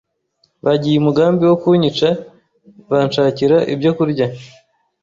bagiye umugambi wo kunyica banshakira ibyo kurya